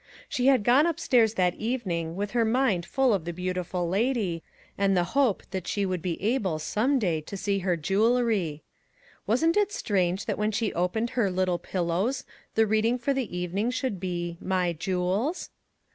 She had gone upstairs that evening with her mind full of the beautiful lady, and the hope that she would be able some day to see her jewelry. Wasn't it strange that when she opened her " Little Pillows " the reading for the evening should be, " My jew els"?